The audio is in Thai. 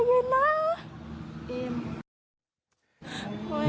โอ๊ยคนอยู่บนแห่งฟังใจเย็นนะ